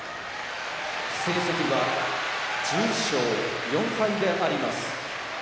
成績は１１勝４敗であります。